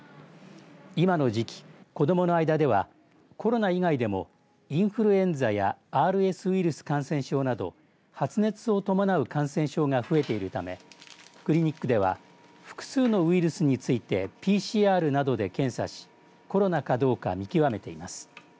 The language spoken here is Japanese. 今の時期、子どもの間ではコロナ以外でもインフルエンザやＲＳウイルス感染症など発熱を伴う感染症が増えているためクリニックでは複数のウイルスについてＰＣＲなどで検査しコロナかどうか見極めています。